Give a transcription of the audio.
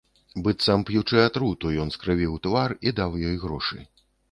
Быццам п'ючы атруту, ён скрывіў твар і даў ёй грошы.